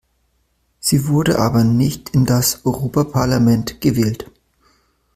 Sie wurde aber nicht in das Europaparlament gewählt.